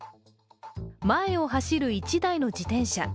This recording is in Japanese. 前を走る１台の自転車。